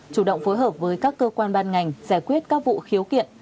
chủ động phối hợp với các cơ quan ban ngành giải quyết các vụ khiếu kiện